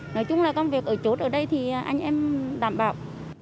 nói chung là công việc ở chốt ở đây thì anh em đảm bảo